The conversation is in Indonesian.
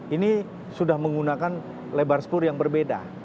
ini sudah menggunakan lebar spur yang berbeda